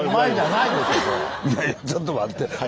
いやいやちょっと待って。